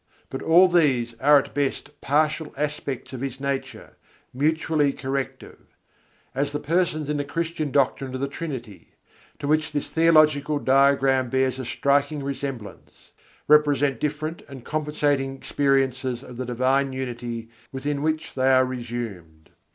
But all these are at best partial aspects of His nature, mutually corrective: as the Persons in the Christian doctrine of the Trinity to which this theological diagram bears a striking resemblance represent different and compensating experiences of the Divine Unity within which they are resumed.